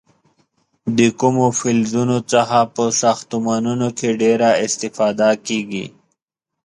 د کومو فلزونو څخه په ساختمانونو کې ډیره استفاده کېږي؟